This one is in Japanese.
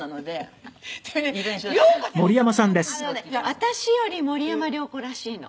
私より森山良子らしいの。